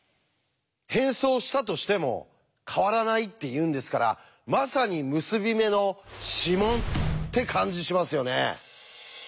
変装したとしても変わらないっていうんですからまさに結び目の指紋って感じしますよね。